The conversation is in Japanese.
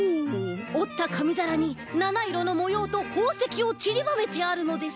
おったかみざらに７いろのもようとほうせきをちりばめてあるのです。